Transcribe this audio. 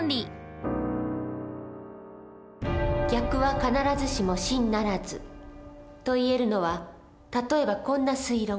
「逆は必ずしも真ならず」。と言えるのは例えばこんな推論。